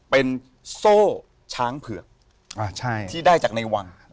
เป็นโซ่ช้างเผือกที่ได้จากในวัง